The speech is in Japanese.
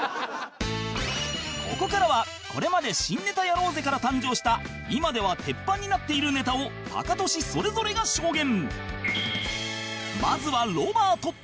ここからはこれまで「新ネタやろうぜ！」から誕生した今では鉄板になっているネタをタカトシそれぞれが証言